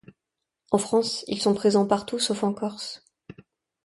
En France, ils sont présents partout, sauf en Corse.